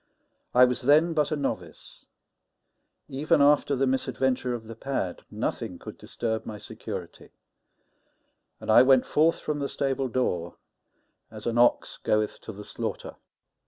I was then but a novice; even after the misadventure of the pad nothing could disturb my security, and I went forth from the stable door as an ox goeth to the slaughter.